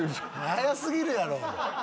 早過ぎるやろ。